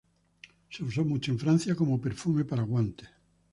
Se usó mucho en Francia como perfume para guantes.